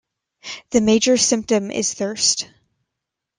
The major symptom is thirst.